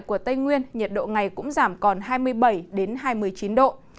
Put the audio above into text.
của tây nguyên nhiệt độ ngày cũng giảm còn hai mươi bảy hai mươi chín độ